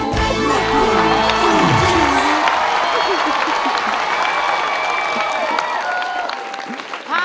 กลับไป